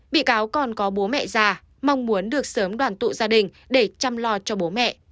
bị cáo còn có bố mẹ già mong muốn được sớm đoàn tụ gia đình để chăm lo cho bố mẹ